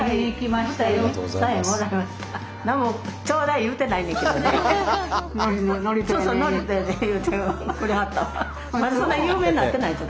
まだそんなに有名になってない時。